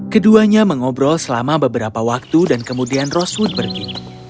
keduanya mengobrol selama beberapa waktu dan kemudian roswi pergi